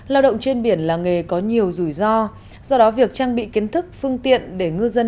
lao động trên biển là nghề có nhiều rủi ro do đó việc trang bị kiến thức phương tiện để ngư dân